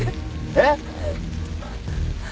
えっ！？